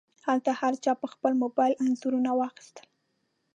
هلته هر چا په خپل موبایل انځورونه واخیستل.